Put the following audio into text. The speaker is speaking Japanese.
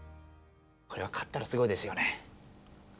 これは勝ったらすごいですよね。